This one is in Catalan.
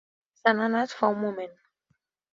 Se n'ha anat fa un moment.